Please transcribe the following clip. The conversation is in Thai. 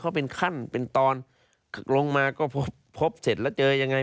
เขาเป็นขั้นเป็นตอนลงมาก็พบเสร็จแล้วเจอยังไง